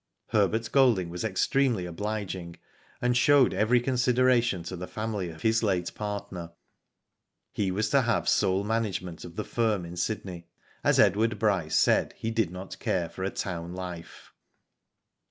Herbert Golding was extremely obliging, and showed every consideration to the family of his late partner. He was to have sole management of the firm in Sydney, as Edward Bryce said he did not care for a town life.